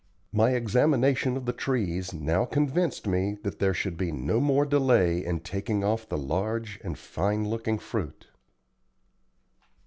My examination of the trees now convinced me that there should be no more delay in taking off the large and fine looking fruit.